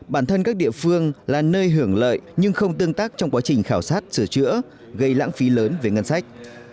bản thân các địa phương là nơi hưởng lợi nhưng không tương tác trong quá trình khảo sát sửa chữa gây lãng phí lớn về ngân sách